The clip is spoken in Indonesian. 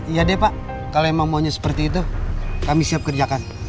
iya deh pak kalau emang maunya seperti itu kami siap kerjakan